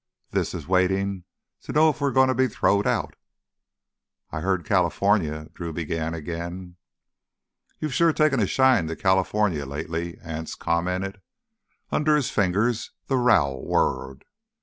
This is waitin' to know if we're goin' to be throwed—out!" "I heard California——" Drew began again. "You've sure taken a shine to Californy lately," Anse commented. Under his fingers the rowel whirred.